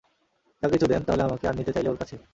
যদি কিছু দেন, তাহলে আমাকে, আর নিতে চাইলে, ওর কাছে।